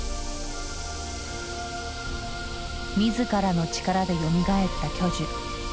自らの力でよみがえった巨樹。